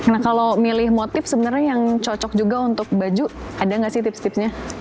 nah kalau milih motif sebenarnya yang cocok juga untuk baju ada nggak sih tips tipsnya